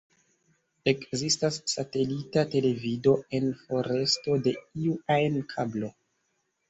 Ekzistas satelita televido, en foresto de iu ajn kablo.